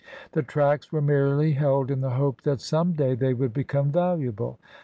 The tracts were merely held in the hope that some day they would become valuable.